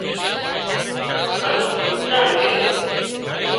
هانَ اي ڪوترا نين